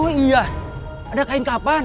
oh iya ada kain papan